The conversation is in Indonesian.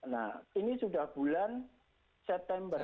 nah ini sudah bulan september